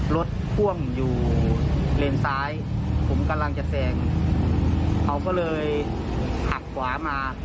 รถพ่วงอยู่เลนซ้ายผมกำลังจะแซงเขาก็เลยหักขวามา